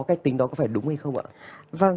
cách tính đó có phải đúng hay không ạ